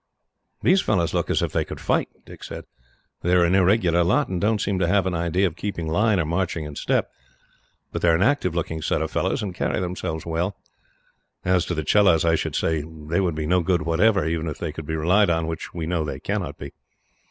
"These fellows look as if they could fight," Dick said. "They are an irregular lot, and don't seem to have an idea of keeping line, or marching in step, but they are an active looking set of fellows, and carry themselves well. As to the Chelahs, I should say they would be no good whatever, even if they could be relied on, which we know they cannot be.